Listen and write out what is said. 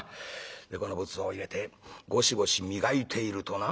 でこの仏像を入れてゴシゴシ磨いているとな」。